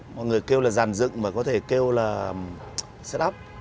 mọi người kêu là giàn dựng mà có thể kêu là